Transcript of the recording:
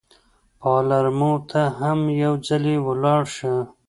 پالرمو ته هم یو ځلي ولاړ شه.